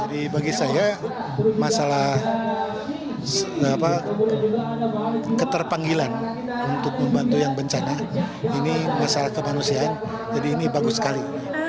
bagi saya masalah keterpanggilan untuk membantu yang bencana ini masalah kemanusiaan jadi ini bagus sekali